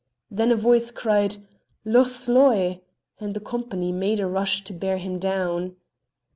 Then a voice cried "Loch Sloy!" and the company made a rush to bear him down.